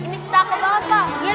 ini cakep banget pak